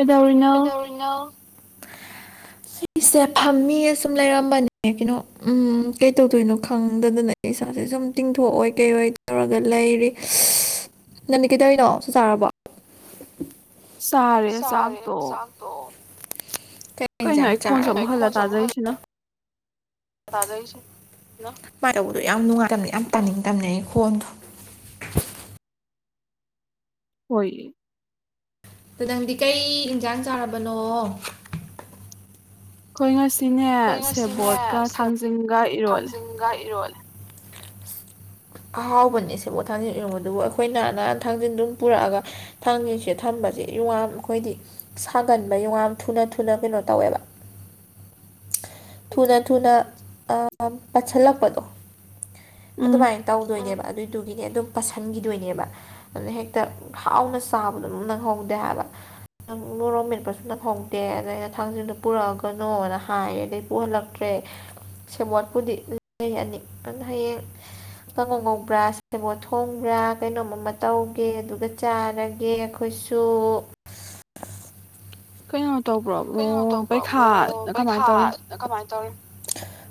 ꯑꯦꯗꯧꯔꯤꯅ ꯅ [inaudible] ꯏꯁꯁꯦ ꯐꯝꯃꯤ ꯁꯨꯝ ꯂꯩꯔꯝꯕꯅꯦ ꯀꯩꯅꯣ ꯎꯝ ꯀꯩ ꯇꯧꯗꯣꯏꯅꯣ ꯈꯪꯗꯗꯅ ꯑꯩ ꯏꯁꯥꯁꯦ ꯁꯨꯝ ꯇꯤꯡꯊꯣꯛꯑꯣꯏ ꯀꯩꯑꯣꯏ ꯇꯧꯔꯒ ꯂꯩꯔꯤ [inaudible] ꯅꯨꯃꯤꯠ ꯀꯩꯗꯧꯔꯤꯅꯣ ꯁꯨ ꯆꯥꯔꯕꯣ ꯁꯥꯔꯦ ꯆꯥꯛꯇꯣ ꯀꯩꯅꯣ ꯑꯩ ꯈꯣꯟꯁꯨ ꯑꯃꯨꯛ ꯍꯜꯂ ꯇꯥꯖꯔꯤꯁꯤꯅ ꯁꯨꯃꯥꯏꯅ ꯇꯧꯕꯗꯣ ꯌꯥꯝ ꯅꯨꯡꯉꯥꯏꯇ ꯌꯥꯝ ꯇꯥꯅꯤꯡ ꯇꯕꯅ ꯑꯩ ꯍꯣꯟꯗꯣ ꯍꯣꯏꯌꯦ ꯑ ꯅꯪꯗꯤ ꯀꯩ ꯌꯦꯟꯁꯥꯡ ꯆꯥꯔꯕꯅꯣ ꯑꯩꯈꯣꯏ ꯉꯁꯤꯅꯦ ꯁꯦꯕꯣꯠꯀ ꯊꯥꯡꯖꯤꯡꯒ ꯏꯔꯣꯜꯂꯦ ꯨꯡꯒꯥ ꯏꯔꯣꯜ ꯑꯍꯥꯎꯕꯅꯤ ꯁꯤꯦꯕꯨꯣꯠ ꯊꯥꯡꯖꯤꯟ ꯏꯔꯨꯕꯗꯨꯕꯨ ꯑꯩꯈꯣꯏꯅ ꯊꯥꯡꯖꯤꯟꯗꯨꯝ ꯄꯨꯔꯛꯑꯒ ꯊꯥꯡꯉꯤꯁꯦ ꯊꯝꯕꯁꯦ ꯌꯨꯉꯝ ꯑꯩꯈꯣꯏꯗꯤ ꯁꯥꯒꯟꯕ ꯌꯨꯉꯝ ꯊꯨꯅ ꯊꯨꯅ ꯀꯩꯅꯣ ꯇꯧꯋꯦꯕ [inaudible] ꯊꯨꯅ ꯊꯨꯅ ꯄꯠꯁꯤꯜꯂꯛꯄꯗꯣ ꯑꯗꯨꯃꯥꯏꯅ ꯇꯧꯗꯣꯏꯅꯦꯕ ꯑꯗꯨꯏꯗꯨꯒꯤꯅꯦ ꯑꯗꯨꯝ ꯄꯁꯟꯈꯤꯗꯣꯏꯅꯦꯕ ꯑꯗꯨꯗ ꯍꯦꯛꯇ ꯍꯥꯎꯅ ꯆꯥꯕꯗꯨꯝ ꯅꯪꯍꯧꯗꯦ ꯍꯥꯏꯕ ꯅꯪ ꯅꯣꯔꯣꯝ ꯃꯠꯄꯁꯨ ꯅꯪꯍꯧꯗꯦ ꯑꯗꯩ ꯑꯩꯅ ꯊꯥꯡꯖꯤꯡꯗꯣ ꯄꯨꯔꯛꯑꯒꯅꯣꯅ ꯍꯥꯏꯌꯦ ꯑꯗꯩ ꯄꯨꯍꯜꯂꯛꯄ ꯇꯦ ꯁꯦꯕꯣꯠꯄꯨꯗꯤ ꯂꯩ ꯑꯅꯤ ꯑꯗꯨꯅ ꯍꯌꯦꯡ ꯀꯥꯡꯉꯧ ꯉꯧꯕ꯭ꯔꯥ ꯁꯦꯡꯕꯣ ꯊꯣꯡꯕ꯭ꯔꯥ ꯀꯩꯅꯣꯝ ꯑꯃ ꯇꯧꯒꯦ ꯑꯗꯨꯒ ꯆꯥꯔꯒꯦ ꯑꯩꯈꯣꯏꯁꯨ ꯀꯩꯅꯣ ꯇꯧꯕ꯭ꯔꯣꯕ ꯀꯩꯅꯣ ꯇꯧꯕ꯭ꯔꯣꯕꯣ ꯄꯩꯈꯥ ꯇꯧ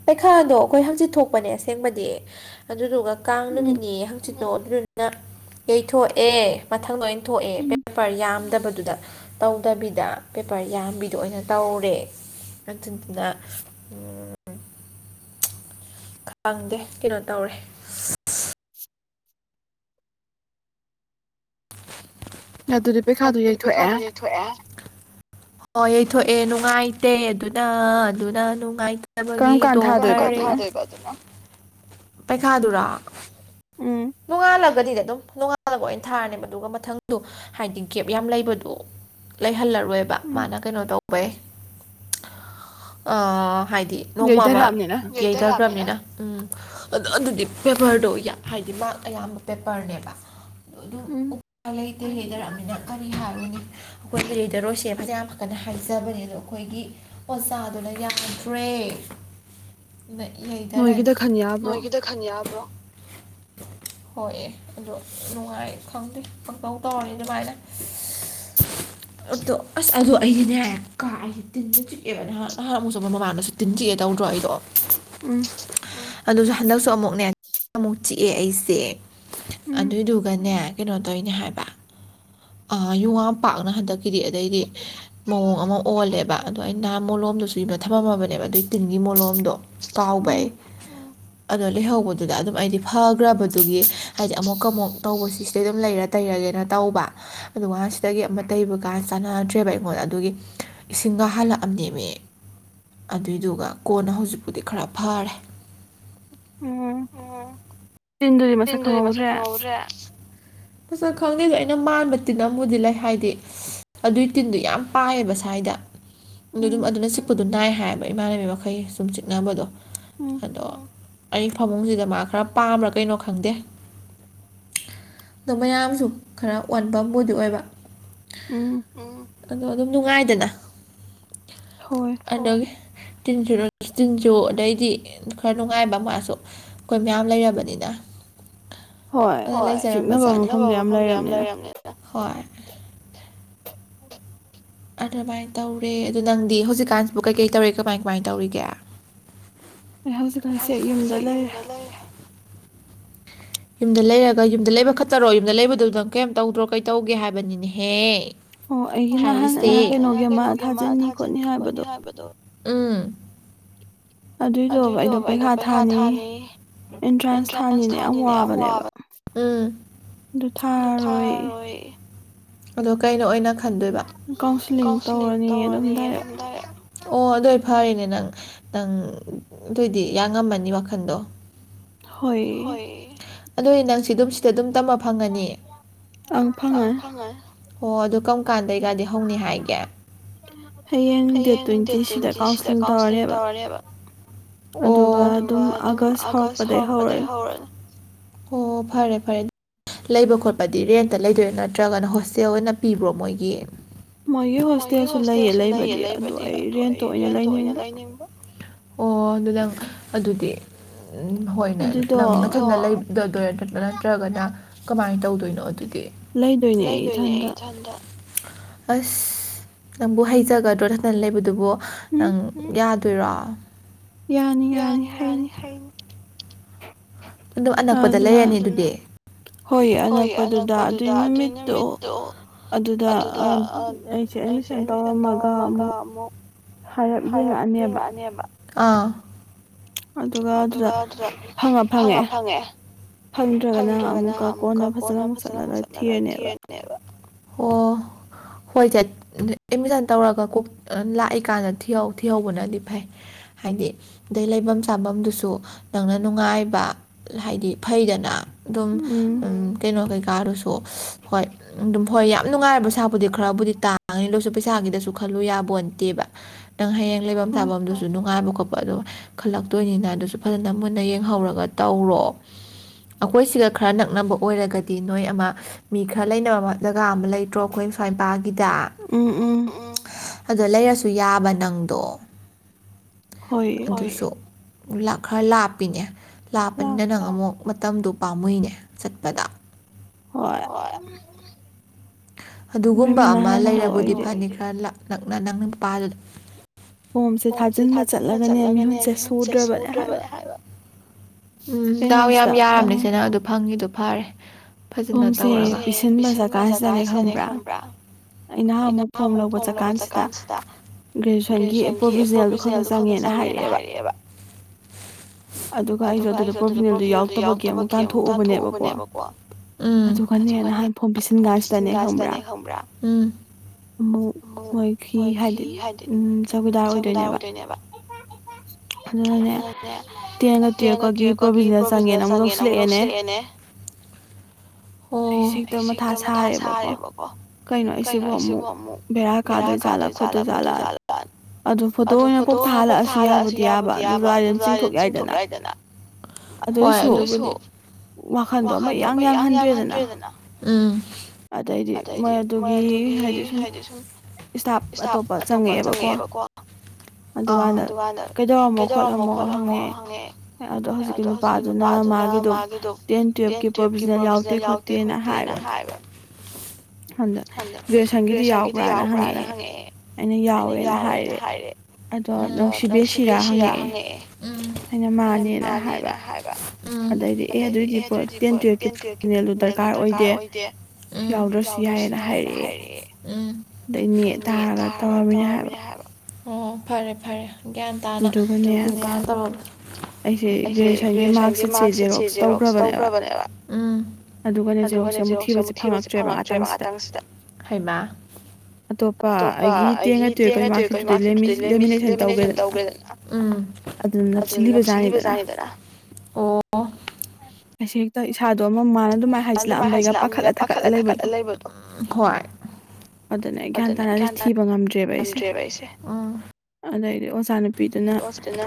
ꯄꯩꯈꯥꯗꯣ ꯑꯩꯈꯣꯏ ꯍꯪꯆꯤꯠ ꯊꯣꯛꯄꯅꯦ ꯑꯁꯦꯡꯕꯗꯤ ꯑꯗꯨꯗꯨ ꯀꯥꯡ ꯅꯨꯃꯤꯠꯅꯤ ꯍꯪꯆꯤꯠꯇꯣ ꯑꯗꯨꯅꯤꯅ ꯌꯩꯊꯣꯛꯑꯦ ꯃꯊꯪꯗꯩꯅ ꯦ ꯇ ꯑꯗꯨ ꯑꯣꯏꯅ ꯇꯧꯔꯦ ꯑꯗꯨꯗꯨꯗ ꯈꯪꯗꯦ ꯀꯩꯅꯣ ꯇꯧꯔꯦ [inaudible] ꯑꯗꯨꯗꯤ ꯄꯩꯈꯥꯗꯨꯣ ꯌꯩꯊꯣꯛꯑꯦ ꯊꯣꯛꯑꯦ ꯑꯣ ꯌꯩꯊꯣꯛꯑꯦ ꯅꯨꯡꯉꯥꯏꯇꯦ ꯑꯗꯨꯅ ꯑꯗꯨꯅ ꯅꯨꯡꯉꯥꯏꯇ ꯒꯤꯣ ꯐ ꯄꯩꯈꯥꯗꯨꯔꯥ ꯅꯣꯡꯉꯥꯜꯂꯒꯗꯤ ꯑꯗꯨꯝ ꯅꯣꯡꯉꯥꯜꯂꯒ ꯑꯣꯏꯅ ꯊꯥꯔꯅꯦꯕ ꯑꯗꯨꯒ ꯃꯊꯪꯗ ꯍꯥꯏꯗꯤ ꯒꯦꯞ ꯌꯥꯝ ꯂꯩꯕꯗꯣ ꯂꯩꯍꯜꯂꯔꯣꯏꯕ ꯃꯥꯅ ꯀꯩꯅꯣ ꯇꯧꯕꯩ ꯍꯥꯏꯗꯤ ꯅꯣꯡꯃ ꯑꯃ ꯌꯩꯊꯈ꯭ꯔꯕꯅꯤꯅ ꯎꯝ ꯑꯣ ꯑꯗꯨꯗꯤ ꯄꯦꯄꯔꯗꯣ ꯍꯥꯏ ꯗꯤ ꯃꯔ ꯑꯌꯥꯝꯕ ꯄꯦꯄꯔꯅꯦꯕ ꯑꯗꯨ ꯎ ꯍꯩꯇ ꯍꯩꯊꯔꯛꯃꯤꯅ ꯀꯔꯤ ꯍꯥꯏꯔꯨꯅꯤ ꯑꯩꯈꯣꯏ ꯂꯩꯗꯔꯣꯏꯁꯦꯕ ꯌꯥꯝ ꯐ ꯀꯟꯅ ꯍꯥꯏꯖꯕꯅꯦ ꯑꯗꯣ ꯑꯩꯈꯣꯏꯒꯤ ꯑꯣꯖꯥꯗꯨꯅ ꯌꯥꯝꯈ꯭ꯔꯦ ꯂꯩꯊꯔꯅꯤ ꯅꯣꯏꯒꯤꯗ ꯈꯟ ꯌꯥꯕ꯭ꯔꯣ ꯍꯣꯏ ꯑꯦ ꯑꯗꯣ ꯅꯨꯡꯉꯥꯏ ꯈꯪꯗꯦ ꯈꯪꯇꯧ ꯇꯧꯔꯅꯤ ꯑꯗꯨꯃꯥꯏꯅ [inaudible] ꯑꯗꯣ ꯑꯁ ꯑꯗꯣ ꯑꯩꯗꯤꯅꯦ ꯍꯥꯏ ꯀꯥ ꯑꯩꯁꯦ ꯇꯤꯟꯅ ꯆꯤꯛꯑꯦꯕ ꯅꯍꯥꯟ ꯅꯍꯥꯟꯃꯨꯛꯁꯨ ꯃꯣꯏ ꯃꯃꯥꯡꯗꯁꯨ ꯇꯤꯟ ꯆꯤꯛꯑꯦ ꯇꯧꯗ꯭ꯔꯣ ꯑꯩꯗꯣ ꯎꯝ ꯑꯗꯨꯁꯨ ꯍꯟꯗꯛꯁꯨ ꯑꯃꯨꯛꯅꯦ ꯑꯃꯨꯛ ꯆ ꯑꯦ ꯑꯩꯁꯦ ꯑꯗꯨꯏꯗꯨꯒꯅꯦ ꯀꯩꯅꯣ ꯇꯧꯅꯦ ꯍꯥꯏꯕ ꯌꯨꯉꯄꯥꯛꯥꯛꯅ ꯍꯟꯗꯛꯀꯤꯗꯤ ꯑꯗꯩꯗꯤ ꯃꯑꯣꯡ ꯑꯃ ꯑꯣꯜꯂꯦꯕ ꯑꯗꯣ ꯑꯩ ꯅꯍꯥ ꯃꯣꯂꯣꯝꯗꯨꯁꯨ ꯌꯅ ꯊꯝꯃꯕꯅꯦꯕ ꯑꯗꯨꯒꯤ ꯇꯤꯟꯒꯤ ꯃꯣꯂꯣꯝꯗꯣ ꯀꯥꯎꯕꯥꯏ ꯑꯗꯣ ꯂꯩꯍꯧꯕꯗꯨꯗ ꯑꯗꯨꯝ ꯑꯩꯗꯤ ꯐꯈ꯭ꯔꯕꯗꯨꯒꯤ ꯍꯥꯏꯗꯤ ꯑꯃꯨꯛꯀ ꯑꯃꯨꯛ ꯇꯧꯕꯁꯤꯁꯤꯗꯩ ꯑꯗꯨꯝ ꯂꯩꯔ ꯇꯩꯔꯒꯦꯅ ꯇꯧꯕ ꯑꯗꯨꯒ ꯉꯁꯤꯗꯒꯤ ꯑꯃ ꯇꯩꯕ ꯀꯥꯟ ꯆꯥꯟꯅꯗ꯭ꯔꯦꯕ ꯑꯩꯉꯣꯟꯗ ꯑꯗꯨꯒꯤ ꯏꯁꯤꯡꯒ ꯍꯜꯂꯛꯑꯝꯅꯦꯕ ꯑꯗꯨꯏꯗꯨꯒ ꯀꯣꯟꯅ ꯍꯧꯖꯤꯛꯄꯨꯗꯤ ꯈꯔ ꯐꯔꯦ ꯎꯝ ꯇꯤꯟꯗꯨꯗꯤ ꯃꯁꯛ ꯈꯪꯍꯧꯗ꯭ꯔꯦ ꯄꯁꯥ ꯈꯪꯗꯦꯗ ꯑꯩꯅ ꯃꯥꯟꯕ ꯇꯤꯟꯕꯨꯗꯤ ꯂꯩ ꯍꯥꯏꯗꯤ ꯑꯗꯨꯏ ꯇꯤꯟꯗꯨꯣ ꯌꯥꯝ ꯄꯥꯏꯑꯕ ꯁ꯭ꯋꯥꯏꯗ ꯑꯗꯨ ꯑꯗꯨꯝ ꯑꯗꯨꯅ ꯆꯤꯛꯄꯗꯣ ꯅꯥꯏ ꯍꯥꯏꯌꯦꯕ ꯏꯃꯥꯟꯅꯕꯤ ꯃꯈꯩ ꯁꯨꯝ ꯆꯤꯛꯅꯕꯗꯣ ꯑꯗꯣ ꯑꯩ ꯐꯃꯨꯡꯁꯤꯗ ꯃꯥ ꯈꯔ ꯄꯥꯝꯕ꯭ꯔꯥ ꯀꯩꯅꯣ ꯈꯪꯗꯦ ꯑꯣ ꯃꯌꯥꯝꯁꯨ ꯈꯔ ꯑꯣꯟꯕꯕꯨꯗꯤ ꯑꯣꯏꯕ ꯎꯝ ꯎꯝ ꯑꯗꯣ ꯑꯗꯨꯝ ꯅꯨꯡꯉꯥꯏꯗꯅ ꯍꯣꯏ ꯑꯗꯒꯤ ꯇꯤꯟꯖꯨ ꯇꯤꯟꯖꯨ ꯑꯗꯩꯗꯤ ꯈꯔ ꯅꯨꯡꯉꯥꯏꯕ ꯃꯥꯁꯨ ꯑꯩꯈꯣꯏ ꯃꯌꯥꯝ ꯂꯩꯔꯕꯅꯤꯅ ꯂꯩꯖꯔꯝꯕꯖꯥꯅꯤ ꯑꯕ ꯃꯐꯝꯗꯣ ꯌꯥꯝ ꯂꯩꯔꯕꯝꯅꯤ ꯍ ꯎꯝ ꯑꯗꯨꯃꯥꯏꯅ ꯇꯧꯔꯦ ꯑꯗꯣ ꯅꯪꯗꯤ ꯍꯧꯖꯤꯛꯀꯥꯟꯁꯤꯕꯨ ꯀꯩꯀꯩ ꯇꯧꯔꯤ ꯀꯃꯥꯏ ꯀꯃꯥꯏꯅ ꯇꯧꯔꯤꯒꯦ ꯑꯩ ꯍꯧꯖꯤꯛꯀꯥꯟꯁꯦ ꯌꯨꯝꯗ ꯂꯩꯔꯦ ꯌꯨꯝꯗ ꯂꯩꯔꯒ ꯌꯨꯝꯗ ꯂꯩꯕ ꯈꯠꯇꯔꯣ ꯌꯨꯝꯗ ꯂꯩꯕꯗꯨ ꯅꯪ ꯀꯩꯝ ꯇꯧꯗ꯭ꯔꯣ ꯀꯩꯇꯧꯒꯦ ꯍꯥꯏꯕꯅꯤꯅꯦꯍꯦ ꯍꯥꯏꯔꯤꯁꯦ ꯑꯩꯅ ꯀꯩꯅꯣꯒꯤ ꯑꯃ ꯊꯥꯖꯤꯟꯅꯤ ꯈꯣꯠꯅꯤ ꯍꯥꯏꯕꯗꯣ ꯎꯝ ꯑꯗꯨꯏꯗꯣ ꯑꯩꯗꯣ ꯄꯩꯈꯥ ꯊꯥꯅꯤ ꯑꯦꯟꯇ꯭ꯔꯥꯟꯁ ꯊꯥꯅꯤꯅ ꯌꯥꯝ ꯋꯥꯕ ꯎꯝ ꯑꯗꯨ ꯊꯥꯔꯣꯏ ꯑꯗꯣ ꯀꯩꯅꯣ ꯑꯣꯏꯅ ꯈꯟꯗꯣꯏꯕ ꯀꯥꯎꯟꯁꯤꯂꯤꯡ ꯇꯧꯔꯅꯤ ꯑꯗꯨꯝ ꯗꯥꯏꯔꯦꯛ ꯑꯣ ꯑꯗꯨꯏ ꯐꯔꯅꯦ ꯅꯪ ꯅꯪ ꯑꯗꯨꯏꯗꯤ ꯌꯥ ꯉꯝꯃꯅꯤ ꯋꯥꯈꯟꯗꯣ ꯍꯣꯏ ꯑꯗꯨ ꯅꯪ ꯁꯤ ꯑꯗꯨꯝ ꯁꯤꯗ ꯑꯗꯨꯝ ꯇꯝꯕ ꯐꯪꯉꯅꯤ ꯑ ꯐꯉꯅꯤ ꯑꯣ ꯑꯗꯨ ꯀꯔꯝ ꯀꯥꯟꯗꯩꯒꯥꯗꯤ ꯍꯧꯅꯤ ꯍꯥꯏꯒꯦ ꯍꯌꯦꯡ ꯗꯦꯠ ꯇ꯭ꯋꯦꯟꯇꯤꯁꯤꯗ ꯀꯥꯎꯟꯁꯤꯂꯤꯡ ꯇꯧꯔꯅꯦꯦꯕ ꯑꯣ ꯑꯗꯨꯒ ꯑꯗꯨꯝ ꯑꯥꯒꯁ ꯍꯧꯔꯛꯄꯗꯒꯤꯩ ꯍꯧꯔꯅꯤ ꯑꯣ ꯐꯔꯦ ꯐꯔꯦ ꯂꯩꯕ ꯈꯣꯠꯄꯗꯤ ꯔꯦꯟꯇ ꯂꯩꯗꯣꯏ ꯅꯠꯇ꯭ꯔꯒꯅ ꯍꯣꯁꯇꯦꯜ ꯑꯣꯏꯅ ꯄꯤꯕ꯭ꯔꯣ ꯃꯣꯏꯒꯤ ꯃꯣꯏꯒꯤ ꯍꯣꯁꯇꯦꯜꯁꯨ ꯂꯩꯌꯦ ꯂꯩꯕꯗꯤ ꯑꯗꯨ ꯑꯩ ꯔꯦꯟꯇ ꯑꯣꯏꯅ ꯂꯩꯅꯤꯡꯕ ꯑꯣ ꯑꯗꯨ ꯅꯪ ꯑꯗꯨꯗꯤ ꯍꯣꯏꯅꯦ ꯅꯪ ꯃꯊꯪꯗ ꯂꯩꯕ ꯗ ꯅꯠꯇ꯭ꯔꯒꯅ ꯀꯃꯥꯏꯅ ꯇꯧꯗꯣꯏꯅꯣ ꯑꯗꯨꯗꯤ ꯂꯩꯗꯣꯏꯅꯦ ꯑꯩ ꯏꯊꯟꯇ ꯑꯟꯗ ꯑꯁ ꯅꯪꯕꯨ ꯍꯩꯖꯒꯗ꯭ꯔꯣ ꯊꯖꯅ ꯂꯩꯕꯗꯨꯕꯨ ꯅꯪ ꯌꯥꯗꯣꯏꯔꯣ ꯌꯥꯅꯤ ꯌꯥꯅꯤ ꯍꯥꯏꯅꯤ ꯑꯗꯨꯝ ꯑꯅꯛꯄꯗ ꯂꯩꯔꯅꯤ ꯑꯗꯨꯗꯤ ꯍꯣꯏ ꯑꯅꯛꯄꯗꯨꯗ ꯑꯗꯨꯏ ꯅꯨꯃꯤꯠꯇꯣ ꯑꯗꯨꯗ ꯑꯩꯁꯦ ꯑꯦꯠꯃꯤꯁꯟ ꯇꯧꯔꯝꯃꯒ ꯑꯃꯨꯛ ꯍꯥꯏꯔꯞ ꯌꯦꯡꯉꯛꯑꯅꯦꯕ ꯑ ꯑꯗꯨꯒ ꯑꯗꯨꯗ ꯐꯉ ꯐꯪꯉꯦ ꯐꯪꯗ꯭ꯔꯒꯅ ꯑꯃꯨꯛꯀ ꯀꯣꯟꯅ ꯐꯖꯅ ꯑꯃꯨꯛ ꯆꯠꯂꯒ ꯊꯤ ꯑꯣ ꯍꯣꯏꯁꯦ ꯑꯦꯠꯃꯤꯁꯟ ꯇꯧꯔꯒ ꯀꯣꯛ ꯂꯥꯛꯏ ꯀꯥꯟꯗꯤꯍꯧ ꯊꯤꯍꯧꯕꯅꯗꯤ ꯐꯩ ꯍꯥꯏꯗꯤ ꯑꯗꯩ ꯂꯩꯕꯝ ꯆꯥꯕꯝꯗꯨꯁꯨ ꯇ꯭ꯪꯅ ꯅꯨꯡꯉꯥꯏꯕ ꯍꯥꯏꯗꯤ ꯐꯩꯗꯅ ꯑꯗꯨꯝ ꯀꯩꯅꯣ ꯀꯩꯀꯥꯗꯨꯁꯨ ꯍꯣꯏ ꯑꯗꯨꯝ ꯍꯣꯏ ꯌꯥꯝ ꯅꯨꯡꯉꯥꯏꯔꯕ ꯁꯥꯄꯨꯗꯤ ꯈꯔꯕꯨꯗꯤ ꯇꯥꯡꯉꯅꯤ ꯂꯣꯏꯁꯨ ꯄꯩꯁꯥꯒꯤꯗꯁꯨ ꯈꯜꯂꯨ ꯌꯥꯕꯣ ꯅꯠꯇꯦꯕ ꯅꯪ ꯍꯌꯦꯡ ꯂꯩꯐꯝ ꯆꯥꯐꯝꯗꯨꯁꯨ ꯅꯨꯡꯉꯥꯏꯕ ꯈꯣꯠꯄ ꯑ ꯈꯜꯂꯛꯇꯣꯏꯅꯤꯅ ꯑꯗꯨꯁꯨ ꯐꯖꯅ ꯃꯨꯟꯅ ꯌꯦꯡ ꯍꯧꯔꯒ ꯇꯧꯔꯣ ꯑꯩꯈꯣꯏꯁꯤꯒ ꯈꯔ ꯅꯛꯅꯕ ꯑꯣꯏꯔꯒꯗꯤ ꯅꯣꯏ ꯑꯃ ꯃꯤ ꯈꯔ ꯂꯩꯅꯕ ꯖꯒꯥ ꯑꯃ ꯂꯩꯇ꯭ꯔꯣ ꯑꯩꯈꯣꯏ ꯁ꯭ꯋꯥꯏ ꯃꯄꯥꯒꯤꯗ ꯎꯝ ꯎꯝ ꯎꯝ ꯑꯗꯣ ꯂꯩꯔꯁꯨ ꯌꯥꯕ ꯅꯪꯗꯣ ꯍꯣꯏ ꯑꯗꯨꯁꯨ ꯈꯔ ꯂꯥꯞꯄꯤꯅꯦ ꯂꯥꯞꯄꯅꯤꯅ ꯅꯪ ꯑꯃꯨꯛ ꯃꯇꯝꯗꯣ ꯄꯥꯝꯃꯨꯅꯦ ꯆꯠꯄꯗ ꯍꯣꯏ ꯍꯣꯏ ꯑꯗꯨꯒꯨꯝꯕ ꯑꯃ ꯂꯩꯔꯕꯨꯗꯤ ꯐꯅꯤ ꯈꯔ ꯅꯛꯅ ꯅꯪꯅ ꯃꯄꯥꯗꯨꯗ ꯀꯣꯝꯁꯦ ꯊꯥꯖꯤꯟꯕ ꯆꯠꯂꯒꯅꯦ ꯃꯤꯍꯨꯠꯁꯦ ꯁꯨꯗ꯭ꯔꯕꯅꯦ ꯍꯥꯏꯕ ꯎꯝ ꯗꯥꯎ ꯌꯥꯝ ꯌꯥꯔꯝꯅꯤꯁꯦ ꯅꯪ ꯑꯗꯨ ꯐꯪꯉꯤꯗꯣ ꯐꯔꯦ ꯐꯖꯅ ꯇꯧꯔꯒ [unintelligible] ꯄꯤꯁꯤꯟ ꯃꯆꯥꯀꯁꯤꯗꯅꯦ ꯈꯪꯕ꯭ꯔꯥ ꯑꯩꯅ ꯑꯃꯨꯛ ꯐꯣꯝ ꯂꯧꯕ ꯆꯠꯀꯥꯟꯁꯤꯗ ꯒ꯭ꯔꯦꯖꯁꯟ ꯒꯤ ꯄ꯭ꯔꯣꯚꯕꯤꯖꯅꯦꯜꯗꯣ ꯈ ꯈ ꯆꯪꯉꯦꯅ ꯍꯥꯏꯔꯛꯑꯦꯕ ꯑꯗꯨꯒ ꯑꯩꯁꯨ ꯑꯗꯨꯗ ꯄ꯭ꯔꯣꯚꯤꯅꯦꯜꯗꯣ ꯌꯥꯎꯔꯛꯇꯕꯒꯤ ꯑꯃꯨꯛ ꯇꯥꯟꯊꯣꯛꯎꯕꯅꯦꯕꯀꯣ ꯑꯗꯨꯒꯅꯦ ꯅꯍꯥꯟ ꯐꯣꯝ ꯄꯤꯁꯤꯟ ꯀꯥꯟꯁꯤꯗꯅꯦ ꯈꯪꯕ꯭ꯔꯥ ꯑꯃꯨꯛ ꯃꯣꯏ ꯐꯤ ꯍꯥꯏꯗꯤ ꯎꯝ ꯆꯧꯀꯤꯗꯥꯔ ꯑꯣꯏꯗꯣꯏꯅꯦꯕ ꯑꯗꯨꯅꯦ ꯇꯦꯟꯒ ꯇꯨꯌꯦꯜꯐꯀꯒꯤ ꯄ꯭ꯔꯣꯚꯤꯖꯤꯅꯦꯜ ꯆꯪꯉꯦꯅ ꯑꯃꯨꯛ ꯂꯧꯁꯤꯜꯂꯛꯑꯦꯅꯦ [unintelligible] ꯑꯩ ꯍꯦꯛꯇ ꯃꯊꯥ ꯁꯥꯔꯦꯕꯀꯣ ꯀꯩꯅꯣ ꯑꯩꯁꯤꯕꯨ ꯑꯃꯨꯛ ꯕꯦꯔꯥ ꯀꯥꯗꯣꯏꯖꯥꯠꯂꯥ ꯈꯣꯠꯇꯣꯏꯖꯥꯠꯂꯥꯅ ꯑꯗꯨ ꯐꯣꯇꯣ ꯑꯣꯏꯅ ꯀꯣꯛꯊꯥꯍꯜꯂꯛꯑꯁꯨ ꯌꯥꯕꯨꯗꯤ ꯌꯥꯕ ꯑꯗꯨꯗꯨꯋꯥꯏꯗ ꯑꯗꯨꯝ ꯆꯤꯡꯊꯣꯛ ꯌꯥꯏꯗꯅ ꯑꯗꯨꯏꯁꯨ ꯋꯥꯈꯜꯗꯣ ꯑꯃ ꯑꯗꯣ ꯑꯃ ꯏꯌꯥꯡ ꯌꯥꯡꯍꯟꯗ꯭ꯔꯦꯗꯅ ꯎꯝ ꯑꯗꯩꯗꯤ ꯃꯣꯏ ꯑꯗꯨꯒꯤ ꯍꯥꯏꯗꯤ ꯁꯨꯝ ꯏꯁꯇꯥꯞ ꯑꯇꯣꯞꯄ ꯆꯪ ꯆꯪꯉꯛꯑꯦꯕꯀꯣ ꯑꯥ ꯑꯗꯨꯀꯥꯟꯗ ꯀꯩꯗꯧꯔꯝꯃꯣ ꯈꯣꯠꯂꯝꯃꯣ ꯍꯪꯉꯛꯑꯦ ꯑꯣ ꯍꯧꯖꯤꯀꯤ ꯅꯨꯄꯥꯗꯨꯅ ꯃꯥꯒꯤꯗꯣ ꯇꯦꯟ ꯇꯨꯌꯦꯞꯀꯤ ꯄ꯭ꯔꯣꯕꯤꯖꯤꯅꯦꯜ ꯌꯥꯎꯗꯦ ꯈꯣꯠꯇꯦꯅ ꯍꯥꯏꯕ ꯑꯗ ꯒ꯭ꯔꯦꯁꯟꯒꯤꯗꯤ ꯌꯥꯎꯕ꯭ꯔꯥꯅ ꯍꯪꯉꯛꯑꯦ ꯑꯩꯅ ꯌꯥꯎꯋꯦꯅ ꯍꯥꯏꯔꯦ ꯎꯝ ꯑꯗꯣ ꯅꯪꯁꯨ ꯕꯦꯑꯦꯁꯤꯔꯥ ꯍꯪꯉꯛꯑꯦ ꯎꯝ ꯑꯩꯅ ꯃꯥꯅꯦꯅ ꯍꯥꯏꯕ ꯎꯝ ꯑꯗꯩꯗꯤ ꯑꯦ ꯑꯗꯨꯏꯗꯤ ꯄꯣ ꯇꯦꯟ ꯇꯨꯌꯦꯜꯞꯀꯤ ꯃꯦꯜꯗꯨ ꯗꯔꯀꯥꯔ ꯑꯣꯏꯗꯦ ꯎꯝ ꯌꯥꯎꯗ꯭ꯔꯁꯨ ꯌꯥꯏꯑꯅ ꯍꯥꯏꯔꯛꯑꯦ ꯎꯝ ꯑꯗꯩꯅꯦ ꯇꯥꯔꯒ ꯍꯥꯏꯕ ꯑꯣ ꯐꯔꯦ ꯐꯔꯦ ꯒ꯭ꯌꯥꯟ ꯇꯥꯅ [unintelligible] ꯑꯩꯁꯦ ꯒ꯭ꯔꯦꯖꯨꯑꯦꯁꯟꯒꯤ ꯃꯥꯔꯛ ꯁꯤꯠꯁꯦ ꯖꯦꯔꯣꯛꯁ ꯇꯧꯈ꯭ꯔꯕꯅꯦꯕ ꯎ ꯑꯗꯨꯒꯅꯦ ꯖꯦꯔꯣꯛꯁꯦ ꯑꯃꯨꯛ ꯊꯤꯕꯁꯦ ꯐꯪꯉꯛꯇ꯭ꯔꯦꯕ ꯉꯥꯛꯇꯪꯁꯤꯗ ꯍꯩꯃꯥ ꯑꯇꯣꯞꯄ ꯑꯩꯒꯤ ꯇꯦꯟꯒ ꯇꯨꯋꯦꯞꯀꯒꯤ ꯃꯥꯛꯁꯤꯠꯇꯨꯗꯩꯩ ꯂꯦꯃꯤ ꯂꯦꯃꯤꯅꯦꯁꯟ ꯇꯧꯒ꯭ꯔꯦꯗꯅ ꯎꯝ ꯑꯗꯨꯅ ꯅꯞꯁꯤꯜꯂꯤꯕꯖꯥꯠꯅꯤꯗꯅ ꯑꯣ ꯑꯩꯁꯦ ꯍꯦꯛꯇ ꯏꯁꯥꯗꯣ ꯑꯃ ꯃꯥꯅ ꯑꯗꯨꯃꯥꯏꯅ ꯍꯥꯏꯖꯤꯜꯂꯛꯑꯝꯕꯩꯒ ꯄꯥꯈꯠꯂ ꯊꯥꯀꯠꯂ ꯂꯩꯕꯗꯣ ꯑꯗꯨꯅꯦ ꯒ꯭ꯌꯥꯟ ꯇꯥꯅꯁ ꯊꯤꯕ ꯉꯝꯗ꯭ꯔꯦꯕ ꯑꯩꯁꯦ ꯑꯗꯩꯗꯤ ꯑꯣꯖꯥꯅ ꯔꯣꯁꯇꯨꯅ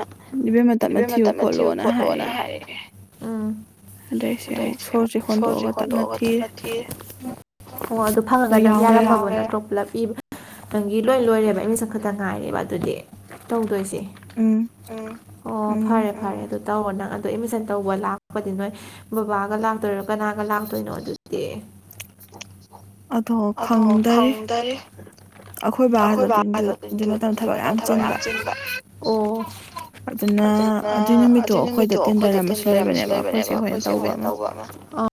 ꯏꯕꯦꯝꯃ ꯇꯞꯅ ꯊꯤꯌꯨ ꯈꯣꯠꯂꯣꯅ ꯍꯥꯏꯔꯛꯑꯦ ꯎꯝ ꯑꯗꯩ ꯑꯃꯨꯛ ꯁꯣꯔꯁꯦ ꯍꯣꯟꯗꯣꯑꯒ ꯇꯞꯅ ꯊꯤꯔꯦ ꯑꯣ ꯑꯗꯨ ꯐꯪꯉꯒ ꯅꯪ ꯌꯥꯔꯝ [unintelligible] ꯄꯨꯂꯞ ꯏꯕ ꯅꯪꯒꯤ ꯂꯣꯏ ꯂꯣꯏꯔꯦꯕ ꯑꯦꯗꯃꯤꯁꯟ ꯈꯛꯇ ꯉꯥꯏꯔꯦꯕ ꯑꯗꯨꯗꯤ ꯇꯧꯗꯣꯏꯁꯦ ꯎꯝ ꯎꯝ ꯑꯣ ꯐꯔꯦ ꯐꯔꯦ ꯑꯗꯨ ꯇꯧꯔꯣ ꯅꯪ ꯑꯗꯨ ꯑꯦꯠꯃꯤꯁꯟ ꯇꯧꯕ ꯂꯥꯛꯄꯗꯤ ꯅꯣꯏ ꯕꯕꯥꯒ ꯂꯥꯛꯇꯣꯏꯔꯣ ꯀꯅꯥꯒ ꯂꯥꯛꯇꯣꯏꯅꯣ ꯑꯗꯨꯗꯤ ꯑꯗꯣ ꯈꯪꯗꯔꯤ ꯑꯈꯣꯏꯕꯗ [unintelligible] ꯖꯤꯛ ꯃꯇꯝ ꯊꯕꯛ ꯌꯥꯝ ꯆꯤꯟꯕ ꯑꯗꯨꯅ ꯑꯗꯨꯏ ꯅꯨꯃꯤꯠꯇꯣ ꯑꯈꯣꯏꯗ ꯇꯦꯟꯗꯔ ꯑꯃꯁꯨ ꯂꯩꯕꯅꯦꯕ ꯑꯈꯣꯏꯁꯦ ꯍꯣꯏꯅ ꯇꯧꯕ ꯑꯃ ꯑ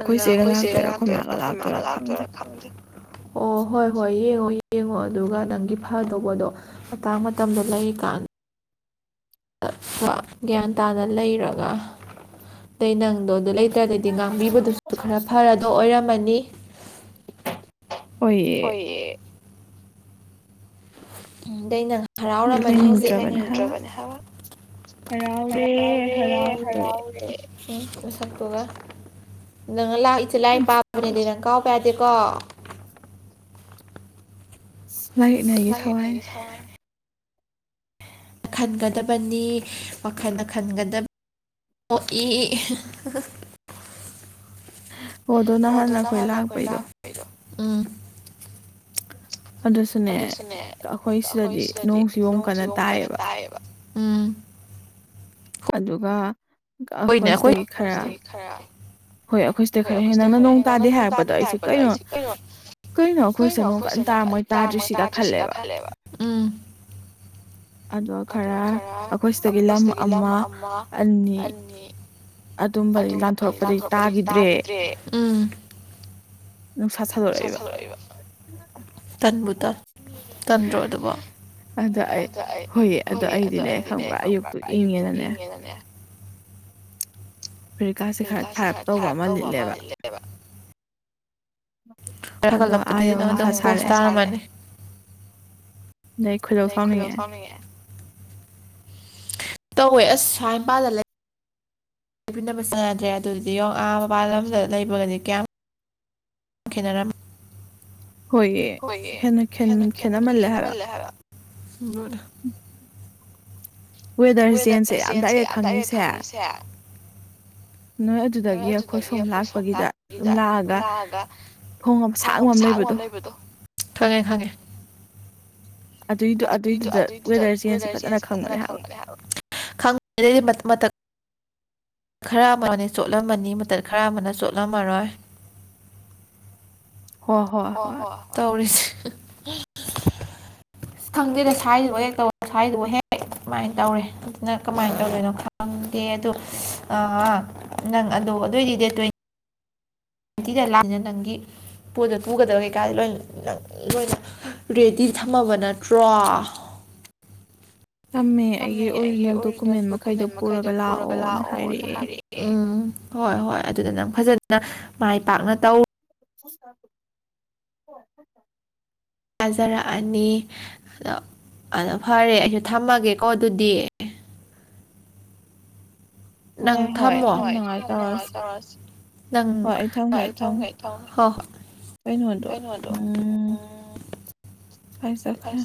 ꯑꯗꯨꯅ ꯑꯩꯈꯣꯏ ꯆꯦꯒ ꯂꯥꯛꯇꯣꯏꯔꯥ ꯑꯩꯈꯣꯏ ꯃꯥꯒ ꯂꯥꯛꯇꯣꯏꯔꯥ ꯈꯪꯗꯦ ꯑꯣ ꯍꯣꯏ ꯍꯣꯏ ꯌꯦꯡꯉꯣ ꯌꯦꯡꯉꯣ ꯑꯗꯨꯒ ꯅꯪꯒꯤ ꯐꯗꯧꯕꯗꯣ ꯃꯇꯥꯡ ꯃꯇꯝꯗ ꯂꯩꯔꯤꯀꯥꯟ [unintelligible] ꯒ꯭ꯌꯥꯟ ꯇꯥꯅ ꯂꯩꯔꯒ ꯂꯩ ꯅꯪꯗꯣ ꯑꯗꯨ ꯂꯩ ꯇ꯭ꯔꯗꯩꯗꯤ ꯉꯥꯡꯕꯤꯕꯗꯨꯁꯨ ꯈꯔ ꯐꯔꯗꯣ ꯑꯣꯏꯔꯝꯃꯅꯤ ꯍꯣꯏꯌꯦ ꯎꯝ ꯗꯩꯅꯪ ꯍꯔꯥꯎꯔꯝꯃꯅꯤ ꯍꯧꯖꯤꯛ ꯅꯪꯅꯤꯡꯗ꯭ꯔꯕꯅꯦ ꯍꯥꯏꯕ ꯍꯔꯥꯎ ꯔꯦ ꯍꯔꯥꯎ ꯔꯦ ꯎꯝ ꯅꯁꯛꯇꯨꯒ ꯅꯪꯅ ꯂꯥꯛ ꯏꯆꯤꯜ ꯂꯥꯏ ꯄꯥꯛ ꯃꯅ ꯂꯤꯔꯪ ꯀꯥꯎꯄ ꯌꯥꯗꯦꯀꯣ ꯂꯥꯏꯌꯦꯛꯅ ꯑꯩꯒꯤ ꯊꯋꯥꯏꯅꯤ ꯈꯟꯒꯗꯕꯅꯤ ꯋꯥꯈꯜꯅ ꯈꯟꯒꯗꯞ ꯄꯣꯛꯏ ꯑꯣ ꯑꯗꯣ ꯅꯍꯥꯟ ꯑꯩꯈꯣꯏ ꯂꯥꯛꯄꯩꯗꯣ ꯎꯝ ꯑꯗꯨꯁꯨꯅꯦ ꯑꯩꯈꯣꯏ ꯁꯤꯗꯗꯤ ꯅꯣꯡꯁꯨ ꯌꯣꯡ ꯀꯟꯅ ꯇꯥꯏꯌꯦꯕ ꯎꯝ ꯑꯗꯨꯒ ꯑꯈꯣꯏ ꯁꯤꯗꯒꯤ ꯈꯔ ꯈꯔ ꯍꯣꯏ ꯑꯩꯈꯣꯏ ꯁꯤꯗ ꯈꯔ ꯍꯦ ꯅꯪꯅ ꯅꯣꯡ ꯇꯥꯗꯦ ꯍꯥꯏꯔꯛꯄꯗꯣ ꯑꯩꯁꯦ ꯀꯩꯅꯣ ꯀꯩꯅꯣ ꯑꯩꯈꯣꯏꯁ ꯅꯣꯡ ꯀꯟꯅ ꯇꯥꯔ ꯃꯣꯏ ꯇꯥꯗ꯭ꯔꯤꯁꯤꯒ ꯈꯜꯂꯦꯕ ꯑꯗꯣ ꯈꯔ ꯑꯩꯈꯣꯏ ꯁꯤꯗꯒꯤ ꯂꯝ ꯑꯃ ꯑꯅꯤ ꯇꯨꯝꯕꯩ ꯂꯥꯟꯊꯣꯔꯛꯄꯗꯒꯤ ꯇꯥꯒꯤꯗ꯭ꯔꯦ ꯅꯨꯡꯁꯥ ꯁꯥꯗꯣꯔꯛꯏꯕ ꯇꯟꯕꯨ ꯇꯜ ꯇꯟꯗ꯭ꯔꯣ ꯑꯗꯨꯕ ꯑꯗ ꯑꯩ ꯍꯣꯏ ꯑꯗꯣ ꯑꯩꯗꯤꯅꯦ ꯈꯪꯕ꯭ꯔꯥ ꯑꯌꯨꯛꯇꯨ ꯏꯪꯉꯦꯅꯅꯦ [inaudible] ꯐꯦꯔꯤꯀꯥꯁꯦ ꯈꯔ ꯊꯥꯔꯞ ꯇꯧꯕ ꯑꯃ ꯂꯤꯠꯂꯦꯕ ꯊꯒꯠꯂꯛꯄꯗꯗꯤ ꯅꯪ ꯑꯗꯨꯝ ꯄꯣꯁ ꯇꯥꯔꯝꯃꯅꯤ ꯗꯩ ꯈꯣꯏꯗꯧ ꯁꯥꯎꯅꯤꯡꯉꯛꯑꯦ ꯇꯧꯋꯦ ꯑꯁ ꯁꯥꯏꯝꯄꯥꯗ ꯂꯩ ꯂꯩꯕꯤꯅꯕ ꯆꯥꯟꯅꯗ꯭ꯔꯦ ꯑꯗꯨꯗꯨꯗꯤ ꯌꯣꯡ ꯑꯥ ꯃꯄꯜ ꯂꯝꯗ ꯂꯩꯕꯒꯅꯤ ꯀꯌꯥꯝ ꯈꯦꯅꯔꯝ ꯍꯣꯏꯌꯦ ꯍꯦꯟꯅ ꯈꯦꯟ ꯈꯦꯠꯅꯃꯜꯂꯦ ꯍꯥꯏꯕ [unintelligible] ꯋꯦꯗꯔ ꯆꯦꯟꯁꯦ ꯌꯥꯝꯗꯥꯏꯔꯦꯛ ꯈꯪꯉꯤꯁꯦ ꯅꯣꯏ ꯑꯗꯨꯗꯒꯤ ꯑꯩꯈꯣꯏ ꯁꯣꯝ ꯂꯥꯛꯄꯒꯤꯗ ꯑꯗꯨꯝ ꯂꯥꯛꯑꯒ ꯊꯣꯡ ꯑꯝ ꯁꯥꯡꯕ ꯑꯃ ꯂꯩꯕꯗꯣ ꯈꯪꯉꯦ ꯈꯪꯉꯦ ꯑꯗꯨꯏꯗ ꯑꯗꯨꯏꯗꯨꯗ ꯋꯦꯗꯔ ꯆꯦꯟꯁ ꯐꯖꯅ ꯈꯪꯕꯅꯦ ꯍꯥꯏꯕ ꯈꯪ ꯗ ꯃꯇꯛ ꯃꯇꯛ ꯈꯔ ꯑꯃ ꯆꯣꯠꯂꯝꯃꯅꯤ ꯃꯇꯠ ꯈꯔ ꯑꯃꯅ ꯆꯣꯠꯂꯝꯃꯔꯣꯏ ꯍꯣꯏ ꯍꯣꯏ ꯇꯧꯔꯤꯁꯦ ꯈꯪꯗꯦꯗ ꯁꯥꯏꯗꯨꯕ ꯀꯩꯧ ꯁꯥꯏꯗꯨꯕ ꯍꯦꯛ ꯀꯃꯥꯏꯅ ꯇꯧꯔꯦ ꯑꯗꯨꯅ ꯀꯃꯥꯏꯅ ꯇꯧꯗꯣꯏꯅꯣ ꯈꯪꯦ ꯗꯦ ꯑꯗꯣ ꯅꯪ ꯑꯗꯣ ꯑꯗꯨꯑꯣꯏꯗꯤ ꯗꯦꯠ ꯇ꯭ꯋꯦꯟ ꯥꯟꯇꯤꯗ ꯂꯩꯅ ꯅꯪꯒꯤ ꯄꯣꯠꯇ ꯄꯨꯒꯗꯕ ꯀꯩꯀꯥꯗ ꯂꯣꯏꯅ ꯅꯪ ꯂꯣꯏꯅ ꯔꯦꯗꯤ ꯊꯝꯃꯕ ꯅꯠꯇ꯭ꯔꯣ ꯄꯥꯝꯃꯦ ꯑꯩꯒꯤ ꯑꯣꯔꯤꯖꯤꯅꯦꯜ ꯗꯣꯀꯨꯃꯦꯟ ꯃꯈꯩꯗꯣ ꯄꯨꯔꯒ ꯂꯥꯛꯑꯣꯅ ꯍꯥꯏꯔꯛꯑꯦ ꯎꯝ ꯍꯣꯏ ꯍꯣꯏ ꯑꯗꯨꯗ ꯅꯪ ꯐꯖꯅ ꯃꯥꯏ ꯄꯥꯛꯅ ꯇꯧ [inaudible] ꯊꯥꯖꯔꯛꯑꯅꯤ ꯑꯗꯣ ꯑꯗꯣ ꯐꯔꯦ ꯑꯩꯁꯨ ꯊꯝꯃꯒꯦꯀꯣ ꯑꯗꯨꯗꯤ ꯅꯪ ꯊꯝꯃꯣ ꯅꯪ ꯑꯩ ꯊꯥꯎꯡ ꯑꯩ ꯊꯥꯎꯡ ꯍꯣ ꯍꯣꯏ ꯀꯩꯅꯣꯗꯣ ꯎꯝ ꯀꯥꯏ ꯆꯠꯈ꯭ꯔꯦ